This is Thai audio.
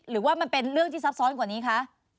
หรือว่ามันเป็นเรื่องที่ซับซ้อนกว่านี้คะ